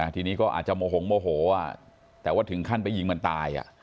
ทีนี้ก็อาจจะโมหงโมโหแต่ว่าถึงขั้นไปยิงมันตาย